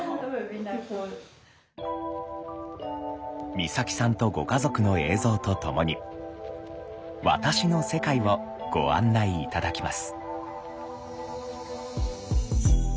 光沙季さんとご家族の映像とともに「私の世界」をご案内頂きます。